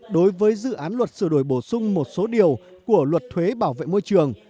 đối với dự án luật sửa đổi bổ sung một số điều của luật thuế bảo vệ môi trường